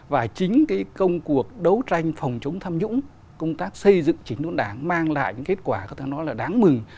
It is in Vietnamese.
và chính cái công cuộc đấu tranh phòng chống tham nhũng công tác xây dựng chính đốn đảng mang lại những kết quả có thể nói là đáng mừng